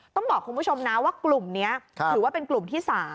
ต้องบอกคุณผู้ชมนะว่ากลุ่มนี้ถือว่าเป็นกลุ่มที่๓